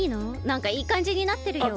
なんかいいかんじになってるよ。